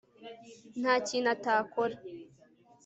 nta kintu atakora